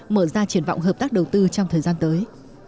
mở ra triển vọng hợp tác đầu tư trong thời gian tới